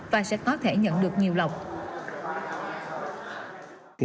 và sẽ có thể nhận được nhiều lòng